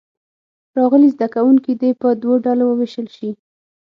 راغلي زده کوونکي دې په دوو ډلو ووېشل شي.